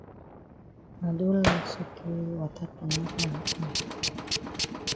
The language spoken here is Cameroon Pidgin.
I don laf sotay wata tanap for ma eye.